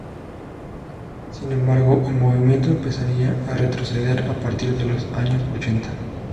Sin embargo, el movimiento empezaría a retroceder a partir de los años ochenta.